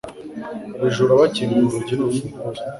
Abajura bakinguye urugi nurufunguzo.